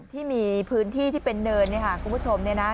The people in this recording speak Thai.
ที่มีพื้นที่ที่เป็นเนินเนี่ยค่ะคุณผู้ชมเนี่ยนะ